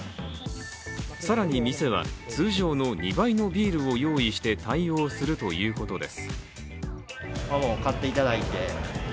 更に店は通常の２倍のビールを用意して対応するということです。